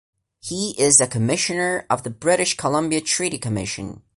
He is a Commissioner of the British Columbia Treaty Commission.